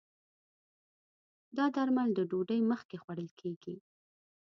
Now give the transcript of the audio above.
دا درمل د ډوډی مخکې خوړل کېږي